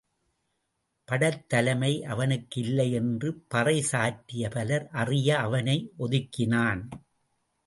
படைத்தலைமை அவனுக்கு இல்லை என்று பறை சாற்றிப் பலர் அறிய அவனை ஒதுக்கினான்.